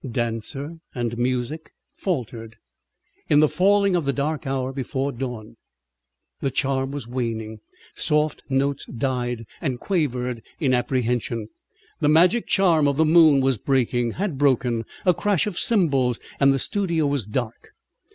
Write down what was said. Dancer and music faltered, in the falling of the dark hour before dawn. The charm was waning. Soft notes died, and quavered in apprehension. The magic charm of the moon was breaking, had broken: a crash of cymbals and the studio was dark.